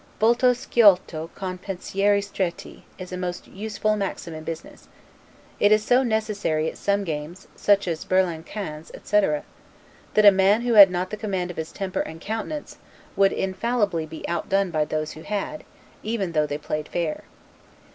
'Volto sciolto con pensieri stretti', is a most useful maxim in business. It is so necessary at some games, such as 'Berlan Quinze', etc., that a man who had not the command of his temper and countenance, would infallibly be outdone by those who had, even though they played fair.